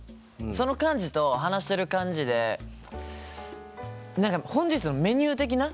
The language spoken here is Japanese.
その感じと話してる感じで何か本日のメニュー的な？